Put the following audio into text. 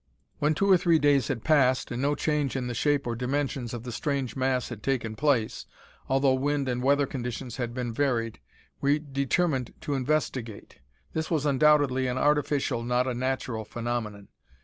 "When two or three days had passed, and no change in the shape or dimensions of the strange mass had taken place, although wind and weather conditions had been varied, we determined to investigate. This was undoubtedly an artificial, not a natural, phenomenon.